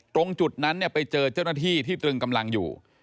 ตรงจุดนั้นไปเจอเจ้าหน้าที่ที่ตรึงกำลังอยู่